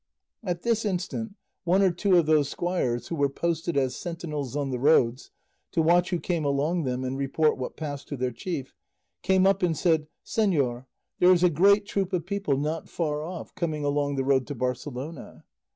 At this instant one or two of those squires who were posted as sentinels on the roads, to watch who came along them and report what passed to their chief, came up and said, "Señor, there is a great troop of people not far off coming along the road to Barcelona."